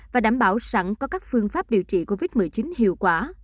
và đảm bảo sẵn có các phương pháp điều trị covid một mươi chín hiệu quả